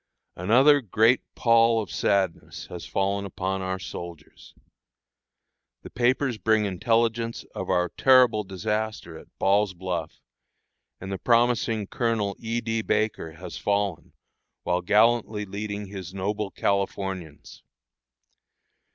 Another great pall of sadness has fallen upon our soldiers. The papers bring intelligence of our terrible disaster at Ball's Bluff, and the promising Colonel E. D. Baker has fallen, while gallantly leading his noble Californians.